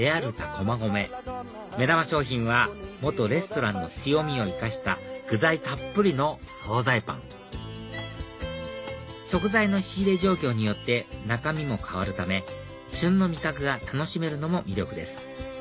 駒込目玉商品は元レストランの強みを生かした具材たっぷりの総菜パン食材の仕入れ状況によって中身も変わるため旬の味覚が楽しめるのも魅力です